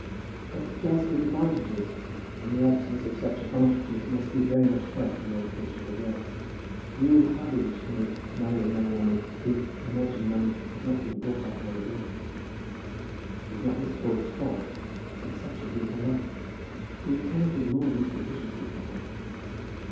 "But it does give advantages, and the absence of such advantages must be very much felt in the education of a girl. You would hardly wish Henry to marry a young woman who, from want of money, had not been brought up among ladies. It is not Miss Crawley's fault, but such has been her lot. We cannot ignore these deficiencies, papa."